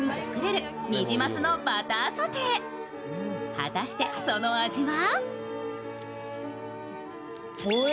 果たしてその味は？